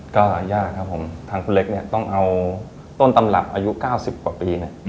ก็หายากครับผมทางคุณเล็กเนี่ยต้องเอาต้นตำรับอายุ๙๐กว่าปีเนี่ย